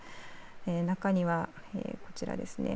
中には、こちらですね。